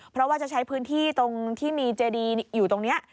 เพราะว่าจะใช้พื้นที่ตรงที่มีเจดีอยู่ตรงนี้